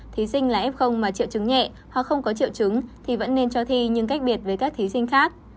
thí sinh là f mà triệu chứng nhẹ hoặc không có triệu chứng thì vẫn nên cho thi nhưng cách biệt với các thí sinh khác